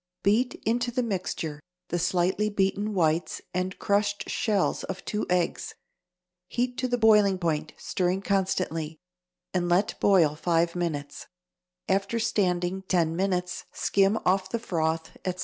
Beat into the mixture the slightly beaten whites and crushed shells of two eggs. Heat to the boiling point, stirring constantly, and let boil five minutes. After standing ten minutes skim off the froth, etc.